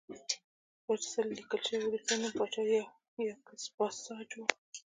پر څلي لیکل شوی وروستی نوم پاچا یاکس پاساج و